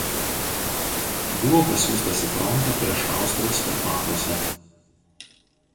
Buvo pasiųstas į frontą prieš austrus Karpatuose.